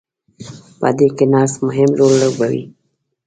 په دې کې نرس مهم رول لوبوي.